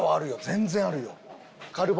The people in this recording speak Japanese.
全然あるよ。